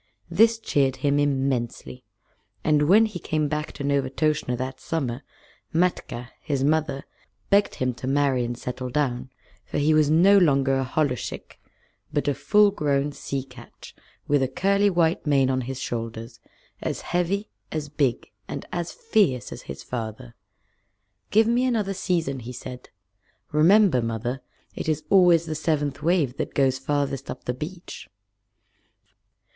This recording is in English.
This cheered him immensely; and when he came back to Novastoshnah that summer, Matkah, his mother, begged him to marry and settle down, for he was no longer a holluschick but a full grown sea catch, with a curly white mane on his shoulders, as heavy, as big, and as fierce as his father. "Give me another season," he said. "Remember, Mother, it is always the seventh wave that goes farthest up the beach."